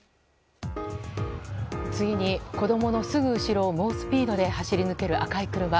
次に、子供のすぐ後ろを猛スピードで走り抜ける赤い車。